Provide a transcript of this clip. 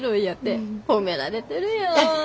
褒められてるやん！